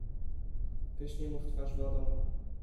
"Pryśnij mu w twarz wodą."